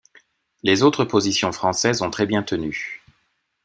Les autres positions françaises ont très bien tenu.